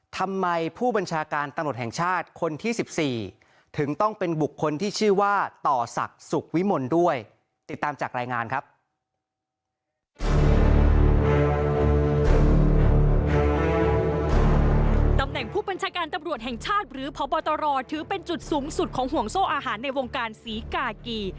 ตำแหน่งผู้บัญชาการตำรวจแห่งชาติหรือพบตรถือเป็นจุดสูงสุดของห่วงโซ่อาหารในวงการศรีกากี